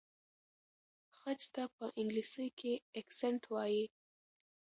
خج ته په انګلیسۍ کې اکسنټ وایي.